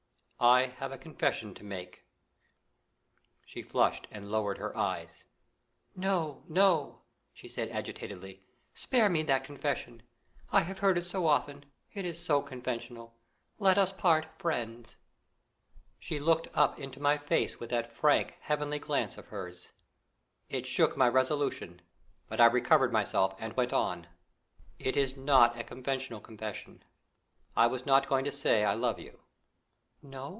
"I have a confession to make." She flushed and lowered her eyes. "No, no!" she said agitatedly; "spare me that confession. I have heard it so often; it is so conventional. Let us part friends." She looked up into my face with that frank, heavenly glance of hers. It shook my resolution, but I recovered myself and went on: "It is not a conventional confession. I was not going to say I love you." "No?"